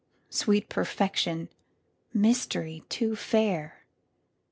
Secret perfection! Mystery too fair!